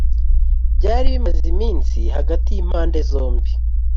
byari bimaze iminsi hagati y’impande zombi